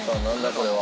これは。